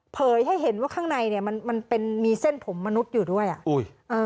ให้เห็นว่าข้างในเนี้ยมันมันเป็นมีเส้นผมมนุษย์อยู่ด้วยอ่ะอุ้ยเออ